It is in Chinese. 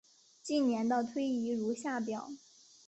近年的推移如下表。